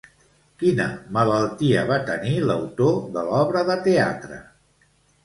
Quina malaltia va tenir l'autor de l'obra de teatre?